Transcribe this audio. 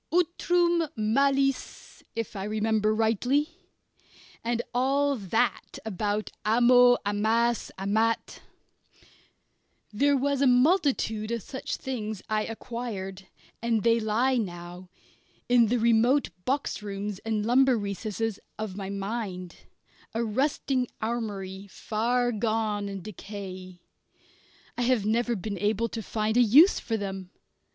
"utrum malis" if I remember rightly and all that about amo, amas, amat. There was a multitude of such things I acquired, and they lie now, in the remote box rooms and lumber recesses of my mind, a rusting armoury far gone in decay. I have never been able to find a use for them.